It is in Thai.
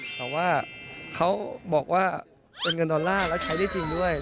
แต่ว่าเขาบอกว่าเป็นเงินดอลลาร์แล้วใช้ได้จริงด้วย